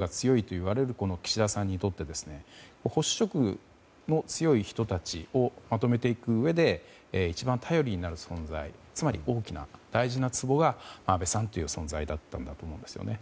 リベラル色が強いといわれる岸田さんにとって保守色の強い人たちをまとめていくうえで一番頼りになる存在つまり、一番大きな大事なつぼが安倍さんという存在だったんだと思うんですね。